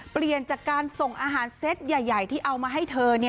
เปลี่ยนจากการส่งอาหารเซตใหญ่ที่เอามาให้เธอ